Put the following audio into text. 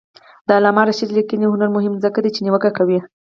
د علامه رشاد لیکنی هنر مهم دی ځکه چې نیوکه کوي.